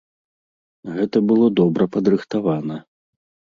Гэта было добра падрыхтавана.